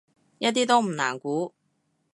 一啲都唔難估